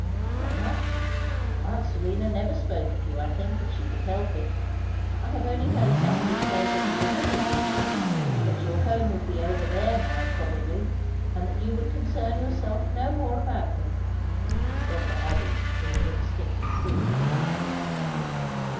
"Not much. Aunt Serena never spoke of you, I think, if she could help it. I have only heard somebody say that you were very rich that your home would be over there now, probably; and that you would concern yourself no more about me," Rotha added, in the instinct of truth.